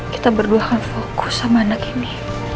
kita berdua kan fokus sama anak ini